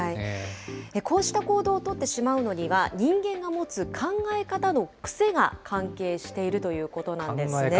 こうした行動を取ってしまうのには、人間が持つ考え方の癖が関係しているということなんです。